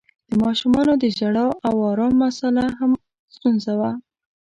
د ماشومانو د ژړا او آرام مسآله هم ستونزه وه.